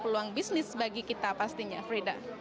peluang bisnis bagi kita pastinya frida